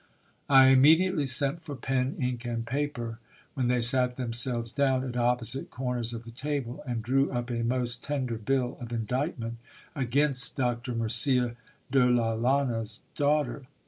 I immediately sent for pen, ink, and paper, when they sat themselves down at opposite corners of the table, and drew up a most tender bill of indictment against Doctor Murcia de la Liana's daughter.